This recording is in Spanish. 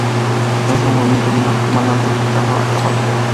En ese momento vino el comandante gritando ‘A caballo’.